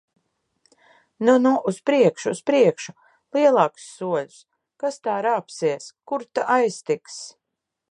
Nu, nu! Uz priekšu! Uz priekšu! Lielākus soļus! Kas tā rāpsies! Kur ta aiztiks!